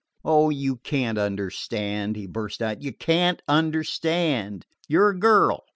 "Oh, you can't understand!" he burst out. "You can't understand. You 're a girl.